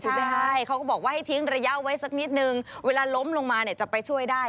ได้เขาก็บอกว่าให้ทิ้งระยะไว้สักนิดนึงเวลาล้มลงมาเนี่ยจะไปช่วยได้